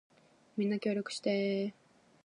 みんな協力してー